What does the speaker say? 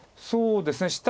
そうですね